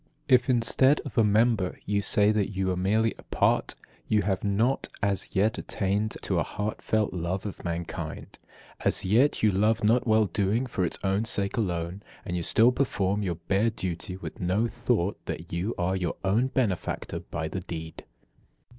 If, instead of a member, you say that you are merely a part, you have not as yet attained to a heartfelt love of mankind. As yet you love not well doing for its own sake alone, and you still perform your bare duty, with no thought that you are your own benefactor by the deed.